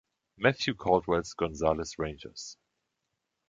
Mathew Caldwells „Gonzales Rangers“.